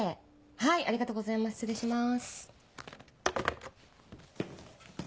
はいありがとうございます失礼します。